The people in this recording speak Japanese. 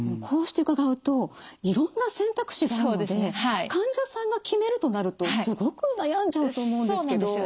こうして伺うといろんな選択肢があるので患者さんが決めるとなるとすごく悩んじゃうと思うんですけど。